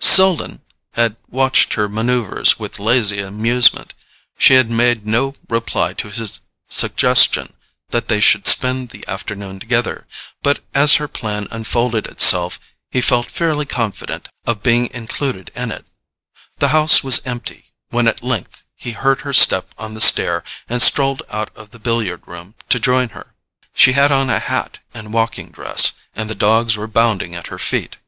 Selden had watched her manoeuvres with lazy amusement. She had made no reply to his suggestion that they should spend the afternoon together, but as her plan unfolded itself he felt fairly confident of being included in it. The house was empty when at length he heard her step on the stair and strolled out of the billiard room to join her. She had on a hat and walking dress, and the dogs were bounding at her feet.